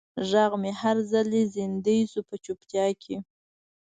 غږ مې هر ځلې زندۍ شو په چوپتیا کې